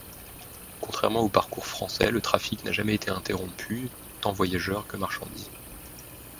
Contrairement au parcours français, le trafic n'a jamais été interrompu, tant voyageur que marchandise.